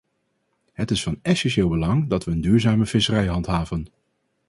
Het is van essentieel belang dat we een duurzame visserij handhaven.